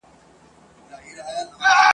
انګرېزان په دې نه پوهېدل.